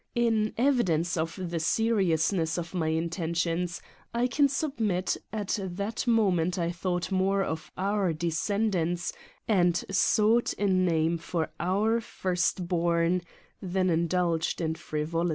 In evi dence of the seriousness of my intentions I can \f submit at that moment I thought more of our n descendants and sought a name for our first born than indulged in frivolity.